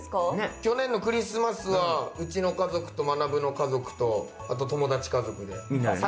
去年のクリスマスはうちの家族とまなぶの家族とあと友達家族で。